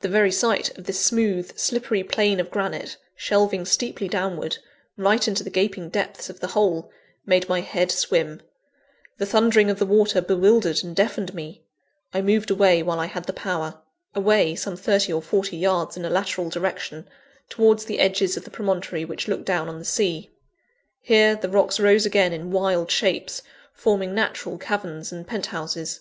The very sight of this smooth, slippery plane of granite, shelving steeply downward, right into the gaping depths of the hole, made my head swim; the thundering of the water bewildered and deafened me I moved away while I had the power: away, some thirty or forty yards in a lateral direction, towards the edges of the promontory which looked down on the sea. Here, the rocks rose again in wild shapes, forming natural caverns and penthouses.